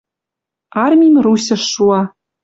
Армим Русьыш шуа.